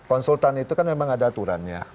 konsultan itu kan memang ada aturannya